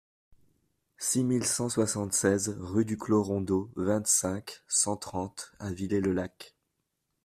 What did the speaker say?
six mille cent soixante-seize rue du Clos Rondot, vingt-cinq, cent trente à Villers-le-Lac